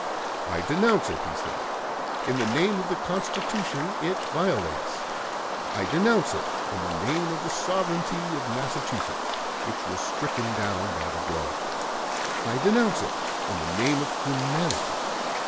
"I denounce it," he said, "in the name of the Constitution it violates. I denounce it in the name of the sovereignty of Massachusetts, which was stricken down by the blow. I denounce it in the name of humanity.